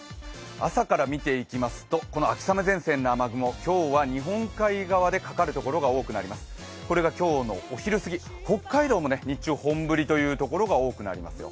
朝から見ていきますとこの秋雨前線の雨雲、今日は日本海側でかかるところが多くなります、これが今日のお昼過ぎ、北海道も日中本降りというところが多くなりますよ。